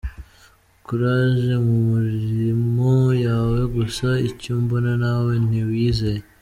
Courage mu mirimo yawe gusa icyo mbona nawe ntiwiyizeye.